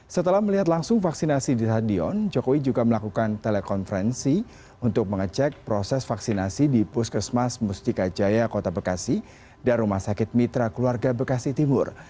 setelah melihat langsung vaksinasi di stadion jokowi juga melakukan telekonferensi untuk mengecek proses vaksinasi di puskesmas mustika jaya kota bekasi dan rumah sakit mitra keluarga bekasi timur